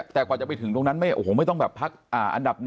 แต่กว่าจะไปถึงตรงนั้นไม่ต้องแบบพักอันดับ๑